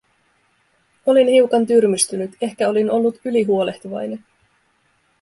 Olin hiukan tyrmistynyt, ehkä olin ollut ylihuolehtivainen.